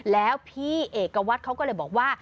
แล้วพี่เอกวัตรเขาก็เลยบอกว่า